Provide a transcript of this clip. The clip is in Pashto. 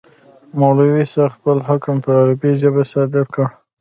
مولوي صاحب خپل حکم په عربي ژبه صادر کړ.